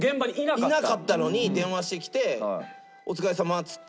いなかったのに電話してきて「お疲れさま」っつって。